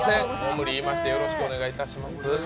無理言いまして、よろしくお願いします。